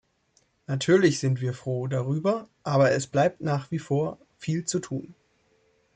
Natürlich sind wir froh darüber, aber es bleibt nach wie vor viel zu tun.